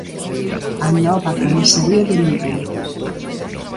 A nova comisaría de Lugo.